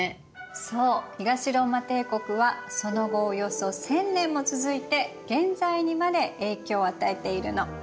そう東ローマ帝国はその後およそ１，０００年も続いて現在にまで影響を与えているの。